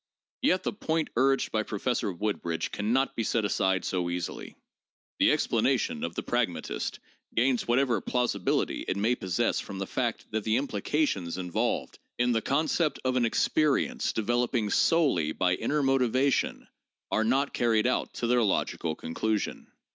Yet the point urged by Professor Woodbridge can not be set aside so easily. The explanation of the pragmatist gains whatever plausibility it may possess from the fact that the implications in volved in the concept of an experience developing solely by inner motivation are not carried out to their logical conclusion.